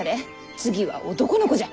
次は男の子じゃ。